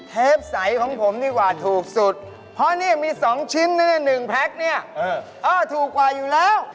เทปใสของผมดีกว่าถูกสุดเพราะนี่มี๒ชิ้นนะเนี่ย๑แพ็คเนี่ยเออถูกกว่าอยู่แล้ว